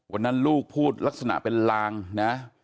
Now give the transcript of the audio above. วันนั้นลูกพูดรักษณะเป็นลังนะ